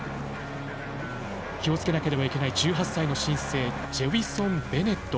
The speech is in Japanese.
気をつけなければいけない１８歳の新星ジェウィソン・ベネット。